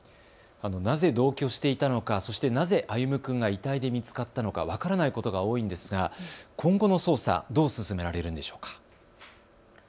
なぜ同居していたのかそしてなぜ歩夢君が遺体で見つかったのか分からないことが多いんですが今後の捜査どう進められるんでしょうか。